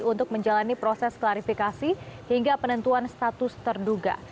untuk menjalani proses klarifikasi hingga penentuan status terduga